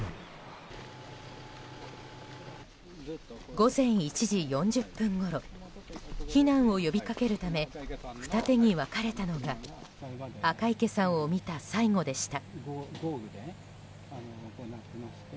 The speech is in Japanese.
午前１時４０分ごろ避難を呼びかけるため二手に分かれたのが赤池さんを見た最後でした。